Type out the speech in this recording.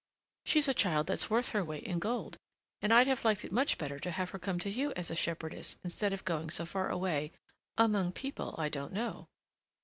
She's a child that's worth her weight in gold, and I'd have liked it much better to have her come to you as a shepherdess instead of going so far away among people I don't know.